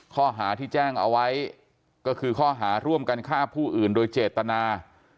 ข้อหาที่แจ้งเอาไว้ก็คือข้อหาร่วมกันฆ่าผู้อื่นโดยเจตนา